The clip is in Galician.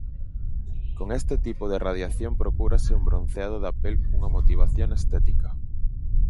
Con este tipo de radiación procúrase un bronceado da pel cunha motivación estética.